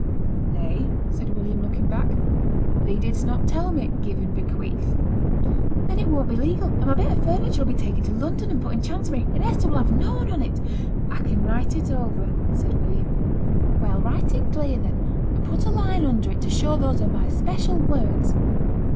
'Nay,' said William, looking back. 'Thee didst not tell me "give and bequeath!"' 'Then it won't be legal, and my bit o' furniture 'll be taken to London, and put into chancery, and Hester will have noane on it.' 'I can write it over,' said William. 'Well, write it clear then, and put a line under it to show those are my special words.